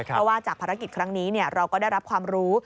เพราะว่าจากภารกิจครั้งนี้เราก็ได้รับความรู้